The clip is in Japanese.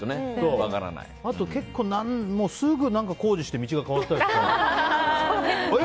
あと結構すぐ工事して道が変わったりとかして。